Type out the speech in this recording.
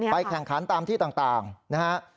แข่งขันตามที่ต่างนะฮะ